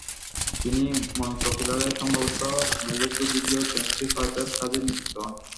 তিনি মন্টেপিলারে সম্ভবত ম্যালোর্কা দ্বিতীয় জেমসকে সহায়তার কাযে নিযুক্ত হন।